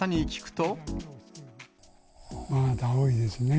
まだ青いですね。